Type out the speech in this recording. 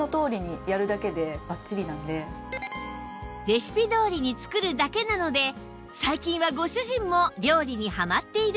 レシピどおりに作るだけなので最近はご主人も料理にハマっているんだとか